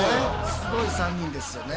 すごい３人ですよね。